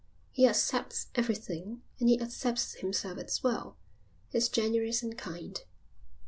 He accepts everything and he accepts himself as well. He's generous and kind."